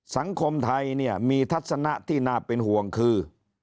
สังคมไทยเนี่ยมีทัศนะที่น่าเป็นห่วงคือ